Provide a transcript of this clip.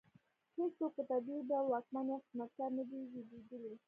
هېڅوک په طبیعي ډول واکمن یا خدمتګار نه دی زېږېدلی.